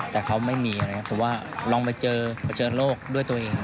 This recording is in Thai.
แต่เขาไม่มีอะไรผมว่าลองไปเจอโลกด้วยตัวเอง